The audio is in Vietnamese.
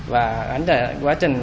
và ánh trời rất mưa mưa to trong ba ngày